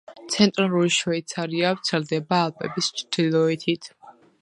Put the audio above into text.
ცენტრალური შვეიცარია ვრცელდება ალპების ჩრდილოეთით.